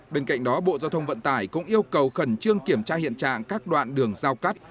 bên cạnh đó bộ giao thông vận tải cũng yêu cầu khẩn trương kiểm tra hiện trạng các đoạn đường giao cắt